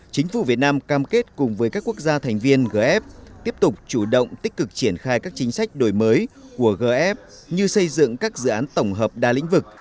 chính phủ việt nam cam kết cùng với các quốc gia thành viên gf tiếp tục chủ động tích cực triển khai các chính sách đổi mới của gf như xây dựng các dự án tổng hợp đa lĩnh vực